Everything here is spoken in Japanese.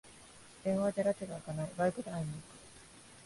電話じゃらちがあかない、バイクで会いに行く